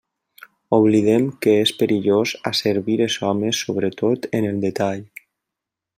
Oblidem que és perillós asservir els homes sobretot en el detall.